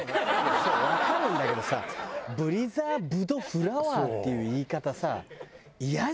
そうわかるんだけどさプリザーブドフラワーっていう言い方さイヤじゃん。